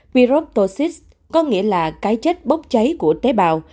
pirotosis có nghĩa là cái chết bốc cháy của tế bào